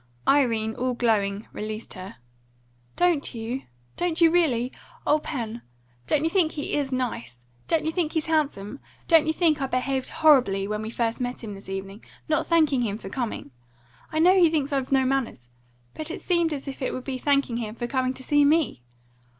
Irene, all glowing, released her. "Don't you don't you REALLY? O Pen! don't you think he IS nice? Don't you think he's handsome? Don't you think I behaved horridly when we first met him this evening, not thanking him for coming? I know he thinks I've no manners. But it seemed as if it would be thanking him for coming to see me.